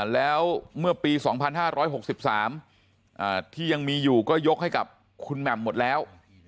แล้วเมื่อปี๒๕๖๓ที่ยังมีอยู่ก็ยกให้กับคุณแหม่มหมดแล้ว